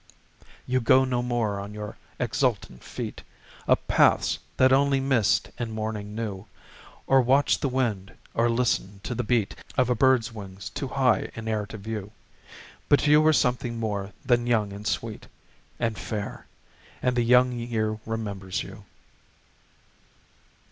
You go no more on your exultant feet Up paths that only mist and morning knew, Or watch the wind, or listen to the beat Of a bird's wings too high in air to view, But you were something more than young and sweet And fair, and the long year remembers you.